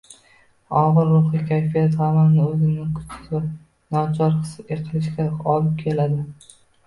Og‘ir ruhiy kayfiyat hammani o‘zini kuchsiz va nochor his qilishiga olib keladi.